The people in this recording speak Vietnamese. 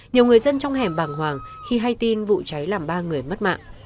nhiều người dân trong hẻm bàng hoàng khi hay tin vụ cháy làm ba người mất mạng